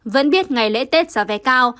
vẫn biết ngày lễ tết giá vé cao